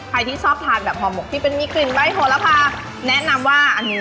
ใครที่ชอบทานแบบห่อหมกที่เป็นมีกลิ่นใบ้โหระพาแนะนำว่าอันนี้